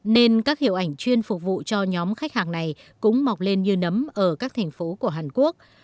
nên các hiệu ảnh chuyên phục vụ cho nhóm khách hàng này cũng mọc lên như nấm ở các thành phố của hàn quốc